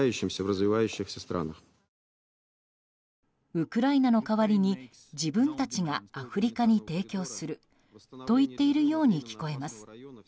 ウクライナの代わりに自分たちがアフリカに提供すると言っているように聞こえます。